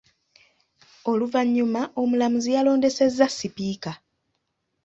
Oluvannyuma Omulamuzi yalondesezza Sipiika.